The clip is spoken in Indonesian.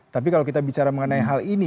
tapi kalau kita bicara mengenai hal ini